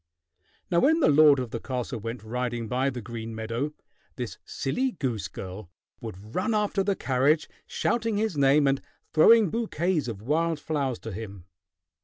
Now when the lord of the castle went riding by the green meadow, this silly goose girl would run after the carriage, shouting his name and throwing bouquets of wild flowers to him.